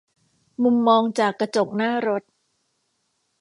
มุมมองจากกระจกหน้ารถ